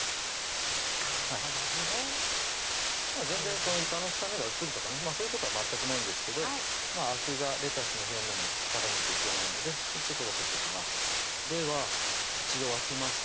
そっか同じね全然いかの臭みが移るとかねそういうことは全くないんですがあくがレタスの表面に絡むといけないので一応これは取っときますでは一度沸きました